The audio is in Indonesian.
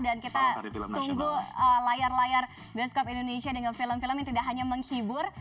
dan kita tunggu layar layar bioskop indonesia dengan film film yang tidak hanya menghibur